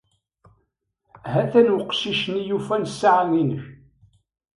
Hatan uqcic-nni yufan ssaɛa-inek.